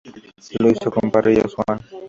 Lo hizo con Parrillas One.